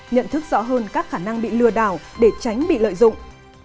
nhận thức rõ hơn các khả năng bị lừa đảo để tránh bị lợi dụng